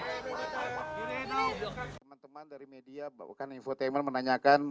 teman teman dari media bahkan infotainment menanyakan